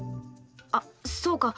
あっそうか。